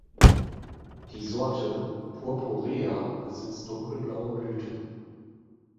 Die Sorte 'Purpurea' besitzt dunkelblaue Blüten.